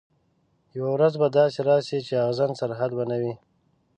یوه ورځ به داسي راسي چي اغزن سرحد به نه وي